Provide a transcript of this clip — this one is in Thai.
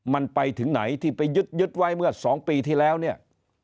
มันไปถึงไหนที่ไปยึดไว้เมื่อ๒ปีที่แล้วเนี่ย